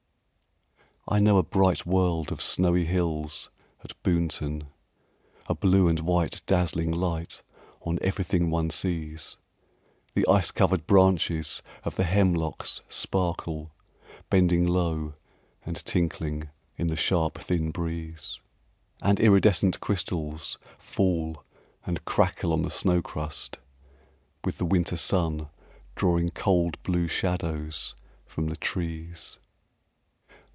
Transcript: I know a bright world of snowy hills at Boonton, A blue and white dazzling light on everything one sees, The ice covered branches of the hemlocks sparkle Bending low and tinkling in the sharp thin breeze, And iridescent crystals fall and crackle on the snow crust With the winter sun drawing cold blue shadows from the trees.